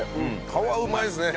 皮うまいっすね。